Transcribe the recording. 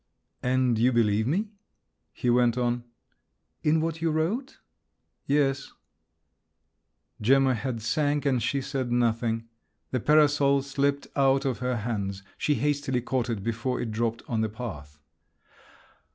"And you believe me?" he went on. "In what you wrote?" "Yes." Gemma's head sank, and she said nothing. The parasol slipped out of her hands. She hastily caught it before it dropped on the path.